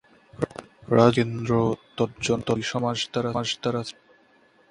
রাজরূপ কেন্দ্র তজ্জন্যই সমাজ দ্বারা সৃষ্ট।